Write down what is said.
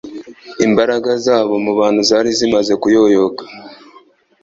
Imbaraga zabo mu bantu zari zimaze kuyoyoka